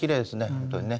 本当にね。